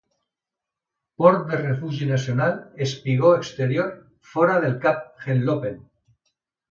Port de Refugi Nacional, espigó exterior fora del Cap Henlopen.